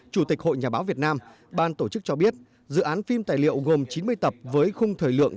chủ tịch hội nhà báo việt nam ban tổ chức cho biết dự án phim tài liệu gồm chín mươi tập với khung thời lượng